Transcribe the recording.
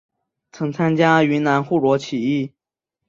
曾参加云南护国起义。